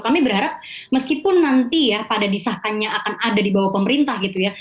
kami berharap meskipun nanti ya pada disahkannya akan ada di bawah pemerintah gitu ya